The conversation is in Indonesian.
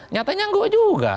nyatanya enggak juga